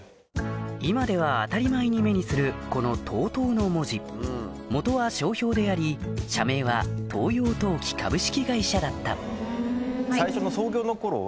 今では当たり前に目にするこの「ＴＯＴＯ」の文字元は商標であり社名は東洋陶器株式会社だった最初の創業の頃は。